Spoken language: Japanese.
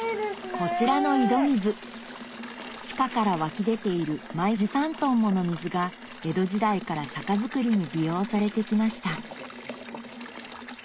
こちらの井戸水地下から湧き出ている毎時３ｔもの水が江戸時代から酒造りに利用されて来ました